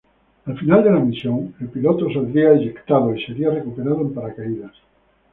Al final de la misión el piloto saldría eyectado y sería recuperado en paracaídas.